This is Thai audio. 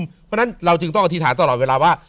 เพราะฉะนั้นเราจึงต้องอธิษฐานตลอดเวลาว่า